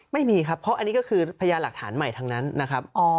ไม่มีครับเพราะอันนี้ก็คือพยานหลักฐานใหม่ทั้งนั้นนะครับ